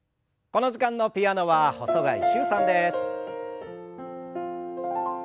この時間のピアノは細貝柊さんです。